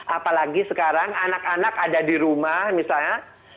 apalagi sekarang anak anak ada di rumah misalnya